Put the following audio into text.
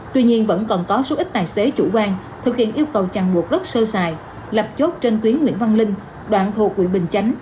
tuy nhiên vẫn còn có số ít tài xế chủ quan thực hiện yêu cầu chẳng buộc rất sơ xài lập chốt trên tuyến nguyễn văn linh đoạn thuộc quyện bình chánh